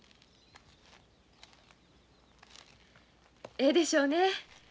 ええでしょうね。